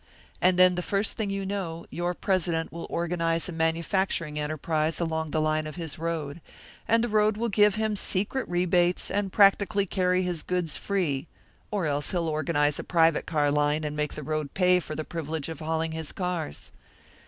And then the first thing you know, your president will organise a manufacturing enterprise along the line of his road, and the road will give him secret rebates, and practically carry his goods free; or else he'll organise a private car line, and make the road pay for the privilege of hauling his cars.